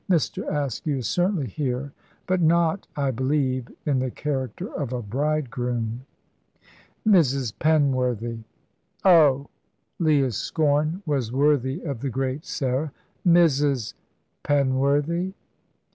Mr. Askew is certainly here; but not, I believe, in the character of a bridegroom." "Mrs. Penworthy " "Oh!" Leah's scorn was worthy of the great Sarah. "Mrs. Penworthy?"